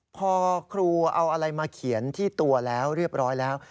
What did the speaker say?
พอครูเอาอะไรมาเขียนที่ตัวแล้วเรียบร้อยแล้ว